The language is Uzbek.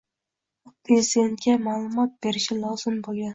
va prezidentga ma’lumot berishi lozim bo‘lgan